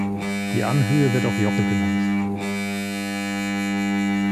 Die Anhöhe wird auch „Jockel“ genannt.